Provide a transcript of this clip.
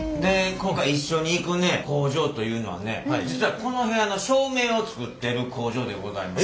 今回一緒に行くね工場というのはね実はこの部屋の照明を作ってる工場でございます。